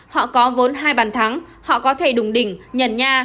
họ có vốn hai bản thắng họ có thể đùng đỉnh nhẩn nha